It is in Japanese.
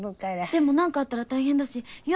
でもなんかあったら大変だし優愛も行くよ。